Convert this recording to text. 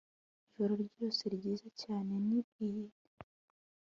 Ijoro ryose ryiza cyane ni iye